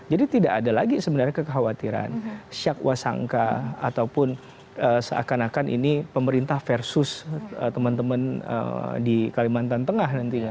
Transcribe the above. jadi tidak ada lagi sebenarnya kekhawatiran syak wa sangka ataupun seakan akan ini pemerintah versus teman teman di kalimantan tengah nanti